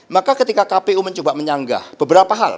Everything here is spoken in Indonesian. maka ketika kpu mencoba menyanggah beberapa hal